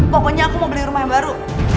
pokoknya aku mau beli rumah yang baru